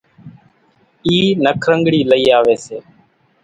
اِي نک رنڳڻِي لئِي آويَ سي۔